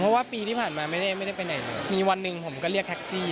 เพราะว่าปีที่ผ่านมาไม่ได้ไปไหนมีวันหนึ่งผมก็เรียกแท็กซี่